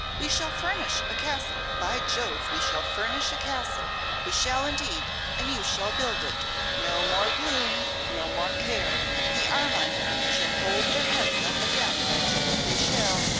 We shall furnish a castle! by Jove we shall furnish a castle! We shall indeed, and you shall build it! No more gloom; no more care. The Armines shall hold their heads up again, by Jove they shall!